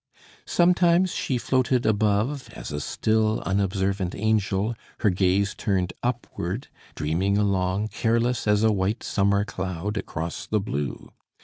Sometimes she floated above, as a still, unobservant angel, her gaze turned upward, dreaming along, careless as a white summer cloud, across the blue.